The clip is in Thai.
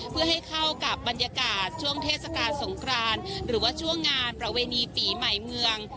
เพื่อให้เข้ากับบรรยากาศช่วงเทศกาลสงครานหรือว่าช่วงงานประเวณีปีใหม่เมือง